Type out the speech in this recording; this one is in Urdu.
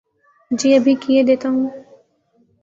جی ابھی کیئے دیتا ہو